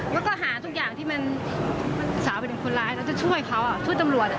แล้วก็หาทุกอย่างที่มันสาวไปถึงคนร้ายแล้วจะช่วยเขาช่วยตำรวจ